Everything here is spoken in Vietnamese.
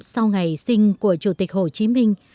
sau ngày sinh của chủ tịch hồ chí minh